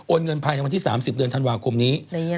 เงินภายในวันที่๓๐เดือนธันวาคมนี้